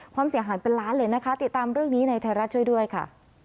ความเสียหายเป็นล้านเลยนะคะติดตามเรื่องนี้ในไทยรัฐช่วยด้วยค่ะ